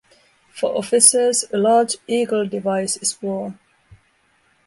For officers, a large eagle device is worn.